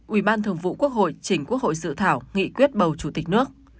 ubthqh chỉnh quốc hội dự thảo nghị quyết bầu chủ tịch nước